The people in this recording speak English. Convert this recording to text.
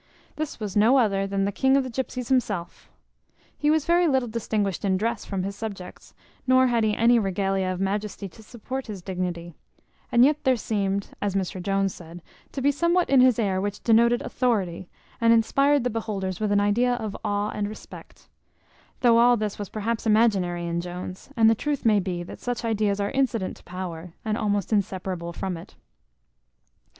This was no other than the king of the gypsies himself. He was very little distinguished in dress from his subjects, nor had he any regalia of majesty to support his dignity; and yet there seemed (as Mr Jones said) to be somewhat in his air which denoted authority, and inspired the beholders with an idea of awe and respect; though all this was perhaps imaginary in Jones; and the truth may be, that such ideas are incident to power, and almost inseparable from it.